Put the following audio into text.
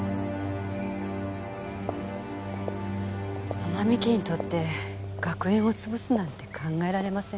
天海家にとって学園を潰すなんて考えられません。